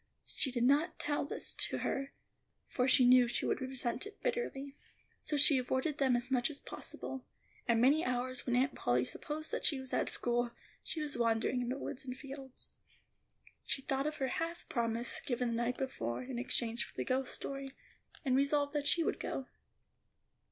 She did not tell this to her, for she knew she would resent it bitterly. So she avoided them as much as possible, and many hours when Aunt Polly supposed that she was at school, she was wandering in the woods and fields. She thought of her half promise given the night before in exchange for the ghost story, and resolved that she would go.